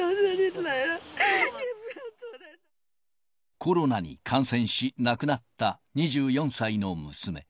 コロナに感染し、亡くなった２４歳の娘。